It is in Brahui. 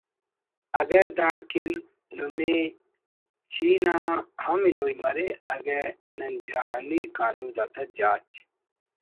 اگہ داڑکن نمے چین آ ہم ہنوئی مرے اگہ نن جہانی کانود آ تا جاچ